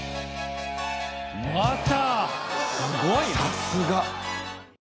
また！